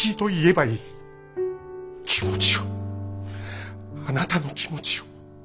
気持ちをあなたの気持ちを。